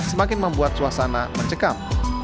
semakin membuat suasana mencekam